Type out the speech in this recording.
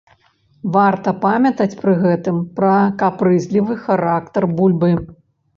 Варта памятаць пры гэтым пра капрызлівы характар бульбы.